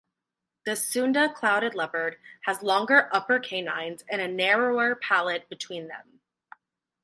The Sunda clouded leopard has longer upper canines and a narrower palate between them.